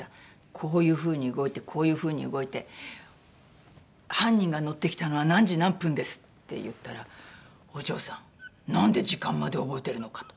「こういうふうに動いてこういうふうに動いて犯人が乗ってきたのは何時何分です」って言ったら「お嬢さんなんで時間まで覚えてるのか？」と。